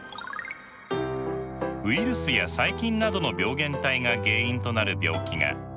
ウイルスや細菌などの病原体が原因となる病気が感染症です。